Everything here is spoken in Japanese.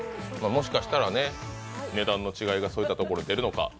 もしかしたらね値段の違いがそういたっところで出るのか。